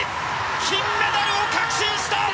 金メダルを確信した！